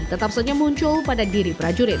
tetap saja muncul pada diri prajurit